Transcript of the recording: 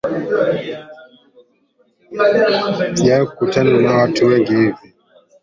Sijawahi kutana na watu wengi hivi